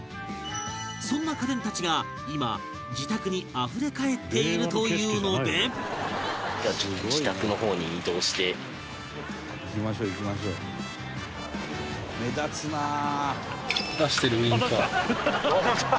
そんな家電たちが今、自宅にあふれ返っているというので伊達：行きましょう行きましょう。目立つなあ！